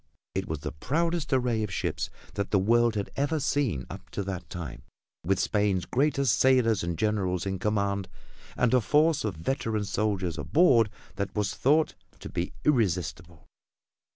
It was the proudest array of ships that the world had ever seen up to that time, with Spain's greatest sailors and generals in command and a force of veteran soldiers aboard that was thought to be irresistible.